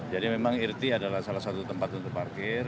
jadi memang irti adalah salah satu tempat untuk parkir